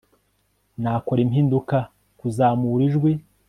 nakora impinduka, kuzamura ijwi